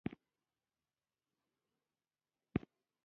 درې واړه ځايونه په نريو مزو له يو بل سره نښلوو.